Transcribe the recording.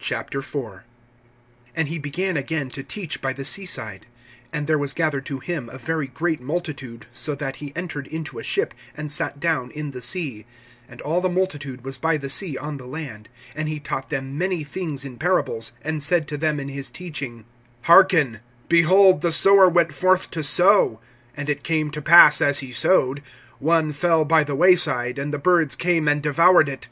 IV. AND he began again to teach by the sea side. And there was gathered to him a very great multitude, so that he entered into a ship, and sat down in the sea; and all the multitude was by the sea on the land. (2)And he taught them many things in parables, and said to them in his teaching: (3)Hearken; behold, the sower went forth to sow. (4)And it came to pass, as he sowed, one fell by the way side, and the birds came and devoured it.